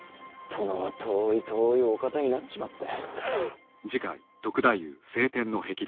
殿は遠い遠いお方になっちまった。